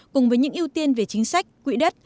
cùng với những ưu tiên về chính sách quỹ đất